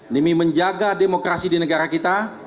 demi menjaga demokrasi di negara kita